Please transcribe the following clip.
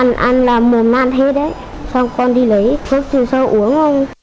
xong con đi lấy thuốc trừ sâu uống